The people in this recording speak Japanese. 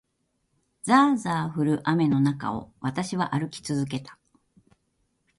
ざあざあ降る雨の中を、私は歩き続けた。